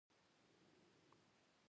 افغانستان په بامیان غني دی.